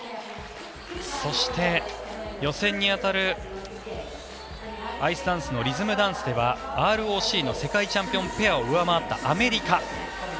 そして予選に当たるアイスダンスのリズムダンスではＲＯＣの世界チャンピオンペアを上回ったアメリカ。